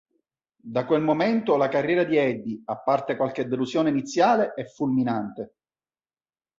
Da quel momento la carriera di Eddie, a parte qualche delusione iniziale, è fulminante.